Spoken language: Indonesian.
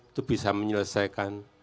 itu bisa menyelesaikan